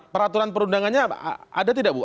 peraturan perundangannya ada tidak bu